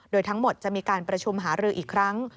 โดยทั้งหมดจะมีการประชุมหารืออีกครั้ง